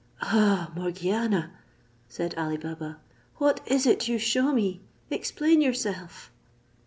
"Ah, Morgiana!" said Ali Baba, "what is it you shew me? Explain yourself."